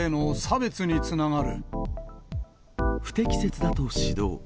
不適切だと指導。